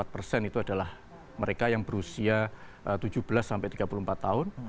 empat persen itu adalah mereka yang berusia tujuh belas sampai tiga puluh empat tahun